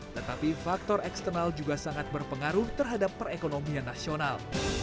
tetapi faktor eksternal juga sangat berpengaruh terhadap perekonomian nasional